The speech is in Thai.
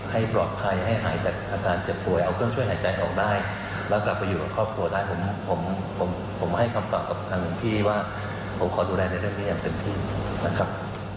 ให้ปลอดภัยให้หายจากอาการเจ็บป่วยเอาเครื่องช่วยหายใจออกได้แล้วกลับไปอยู่กับครอบครัวได้ผมผมให้คำตอบกับทางหลวงพี่ว่าผมขอดูแลในเรื่องนี้อย่างเต็มที่นะครับ